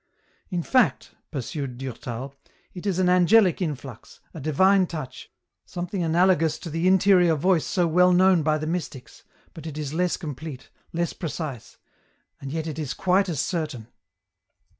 " In fact," pursued Durtal, " it is an angelic influx, a divine touch, something analogous to the interior voice so well known by the mystics, but it is less complete, less precise, ^nd yet it is quite as certain."